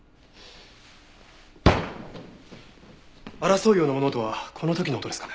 争うような物音はこの時の音ですかね？